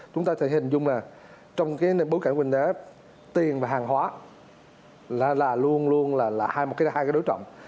chúng ta thể hình dung là trong cái bối cảnh của kinh tế tiền và hàng hóa là luôn luôn là hai cái đối trọng